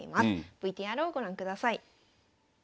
ＶＴＲをご覧ください。